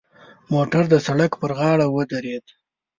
موټر د سړک پر غاړه ودرید.